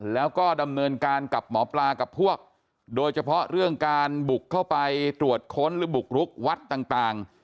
แล้วก็ดำเนินการกับหมอปลากับพวกโดยเฉพาะเรื่องการบุกเข้าไปตรวจค้นหรือบุกรุกวัดต่าง